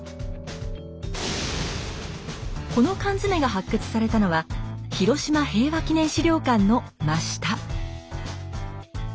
この缶詰が発掘されたのは広島平和記念資料館の真下。